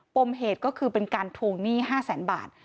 มเหตุก็คือเป็นการทวงหนี้๕แสนบาท